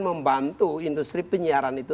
membantu industri penyiaran itu